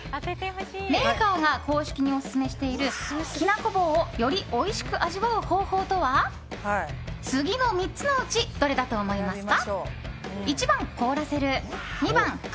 メーカーが公式にオススメしているきなこ棒をよりおいしく味わう方法とは次の３つのうちどれだと思いますか？